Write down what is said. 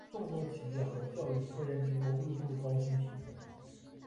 众多企业和教育科研机构入驻高新区。